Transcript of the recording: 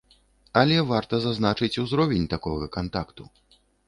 Але варта зазначыць узровень такога кантакту.